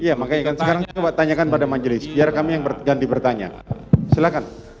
iya makanya kan sekarang coba tanyakan pada majelis biar kami yang berganti bertanya silahkan